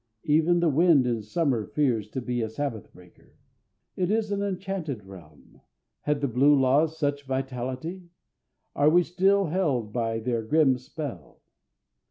Even the wind in summer fears to be a Sabbath breaker. It is an enchanted realm. Have the blue laws such vitality? Are we still held by their grim spell?